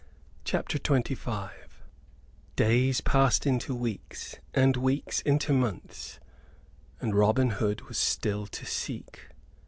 CHAPTER XXV Days passed into weeks and weeks into months, and Robin Hood was still to seek.